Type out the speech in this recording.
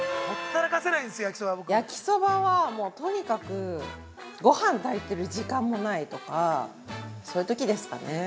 焼きそばは、もう、とにかくごはん炊いてる時間もないとかそういうときですかね。